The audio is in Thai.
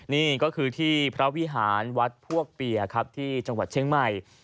นี่ก็คือที่พระวิหารวัดพวกเปียครับที่จังหวัดเชียงใหม่